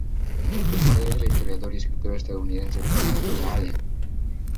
Su padre es el historiador y escritor estadounidense Thomas B. Allen.